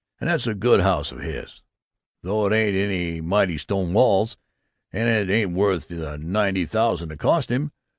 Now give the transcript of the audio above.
And that's a good house of his though it ain't any 'mighty stone walls' and it ain't worth the ninety thousand it cost him.